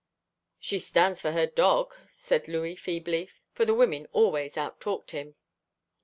"She stands for her dog," said Louis feebly, for the women always out talked him.